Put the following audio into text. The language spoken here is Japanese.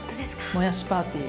もやしパーティー。